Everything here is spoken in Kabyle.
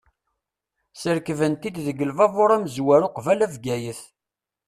Srekben-t-id deg lbabur amezwaru qbala Bgayet.